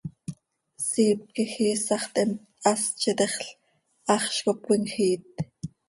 Siip quij iisax theemt, hast z itexl, haxz cop cöimjiit.